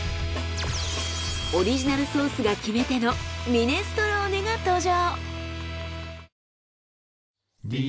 オリジナルソースが決め手のミネストローネが登場！